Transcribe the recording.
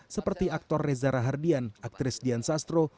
seperti aktor rezara hardian aktris dian sastro